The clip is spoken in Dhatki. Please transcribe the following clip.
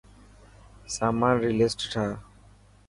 سامان ري لسٽ ٺاهه.